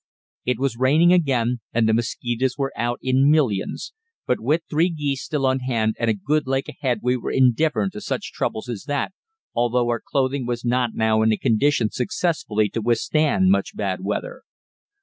It was raining again and the mosquitoes were out in millions, but with three geese still on hand and a good lake ahead we were indifferent to such troubles as that, although our clothing was not now in a condition successfully to withstand much bad weather.